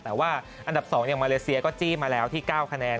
แต่ว่าอันดับ๒อย่างมาเลเซียก็จี้มาแล้วที่๙คะแนน